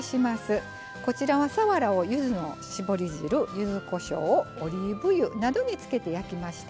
こちらはさわらをゆずの搾り汁ゆずこしょうオリーブ油などに漬けて焼きました。